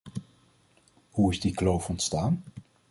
Hoe is die kloof ontstaan?